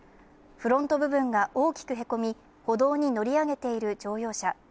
フロント部分が大きくへこみ、歩道に乗り上げている乗用車。